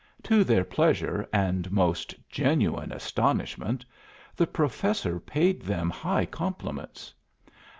To their pleasure and most genuine astonishment, the Professor paid them high compliments.